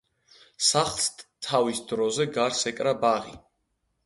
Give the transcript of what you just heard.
სახლს ტავის დროზე გარს ეკრა ბაღი.